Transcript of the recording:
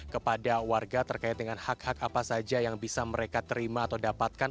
kepada warga terkait dengan hak hak apa saja yang bisa mereka terima atau dapatkan